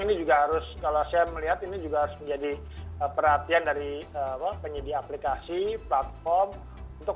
ini juga harus kalau saya melihat ini juga harus menjadi perhatian dari penyedia aplikasi platform untuk